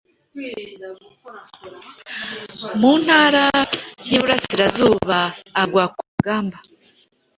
mu Ntara y’Iburasirazuba, agwa ku rugamba